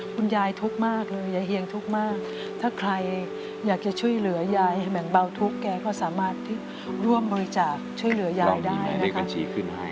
คุณยายทุกข์มากเลยยายเฮียงทุกข์มากถ้าใครอยากจะช่วยเหลือยายแบ่งเบาทุกข์แกก็สามารถร่วมบริจาคช่วยเหลือยายได้นะคะ